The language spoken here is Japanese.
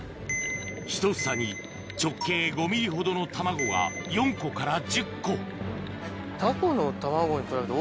ひと房に直径５ｍｍほどの卵が４個から１０個違いますね。